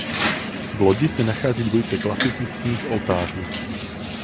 V lodi se nachází dvojice klasicistních oltářů.